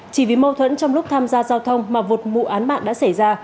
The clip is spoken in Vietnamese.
chỉ vì mâu thuẫn trong lúc tham gia giao thông mà vột mụ án bạn đã xảy ra